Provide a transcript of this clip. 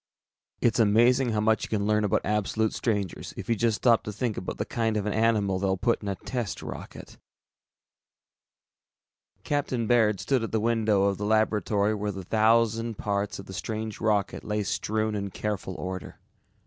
] It's amazing how much you can learn about absolute strangers if you just stop to think about the kind of an animal they'll put in a ... TEST ROCKET! By JACK DOUGLAS [Illustration: Cover] Captain Baird stood at the window of the laboratory where the thousand parts of the strange rocket lay strewn in careful order.